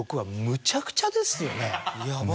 むちゃくちゃですよね。